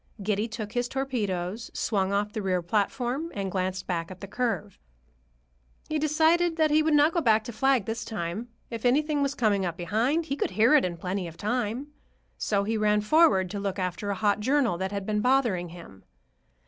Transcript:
Giddy took his torpedoes, swung off the rear platform, and glanced back at the curve. He decided that he would not go back to flag this time. If anything was coming up behind, he could hear it in plenty of time. So he ran forward to look after a hot journal that had been bothering him.